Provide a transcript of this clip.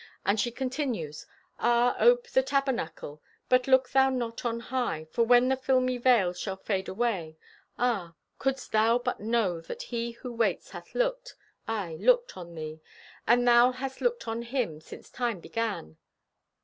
And she continues: "Ah, ope the tabernacle, but look thou not on high, for when the filmy veil shall fade away—ah, could'st thou but know that He who waits hath looked, aye looked, on thee, and thou hast looked on Him since time began!"